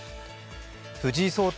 藤井聡太